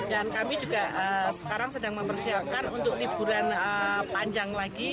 dan kami juga sekarang sedang mempersiapkan untuk liburan panjang lagi